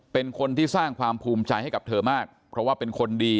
เป็นคนที่สร้างความภูมิใจให้กับเธอมากเพราะว่าเป็นคนดี